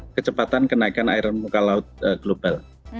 ada kecepatan kenaikan air permukaan laut global